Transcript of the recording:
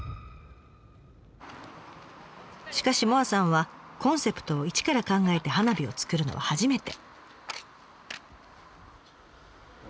しかし萌彩さんはコンセプトを一から考えて花火を作るのは初めて。